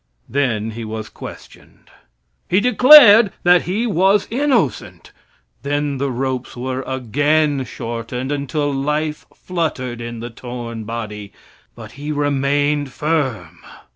Then he was questioned. He declared that he was innocent. Then the ropes were again shortened until life fluttered in the torn body; but he remained firm.